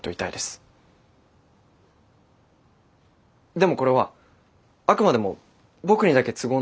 でもこれはあくまでも僕にだけ都合のいい仮プランです。